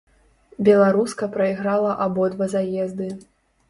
Беларуска прайграла абодва заезды.